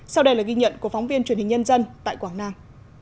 sau đây là ghi nhận của phóng viên truyền hình nhân dân tại quảng nam